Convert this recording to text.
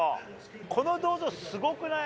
この銅像、すごくない？